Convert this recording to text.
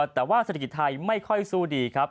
แต่ว่าเศรษฐกิจไทยไม่ค่อยสู้ดีครับ